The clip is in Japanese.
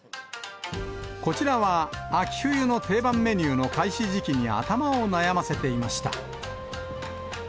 こちらは、秋冬の定番メニューの開始時期に頭を悩ませていました。